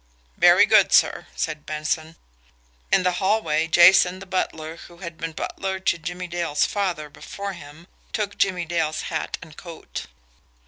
"Very good, sir," said Benson. In the hallway, Jason, the butler, who had been butler to Jimmie Dale's father before him, took Jimmie Dale's hat and coat.